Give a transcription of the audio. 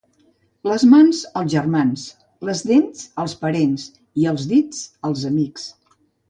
Les mans, als germans; les dents, als parents; i els dits, als amics.